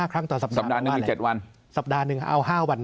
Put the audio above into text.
๔๕ครั้งต่อสัปดาห์สัปดาห์หนึ่งมี๗วัน